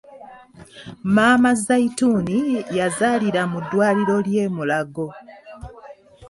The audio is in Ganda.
Maama "Zaituni,' yazalira mu ddwaliro ly'e mulago.